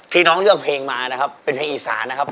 น้องเลือกเพลงมานะครับเป็นเพลงอีสานนะครับ